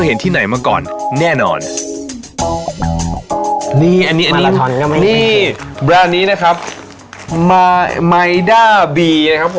อันนี้ประมาณ๒๐ปีไม่เก่ามาก